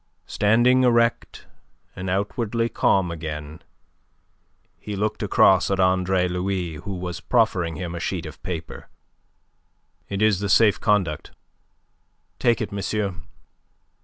Standing erect, and outwardly calm again, he looked across at Andre Louis who was proffering him a sheet of paper. "It is the safe conduct. Take it, monsieur.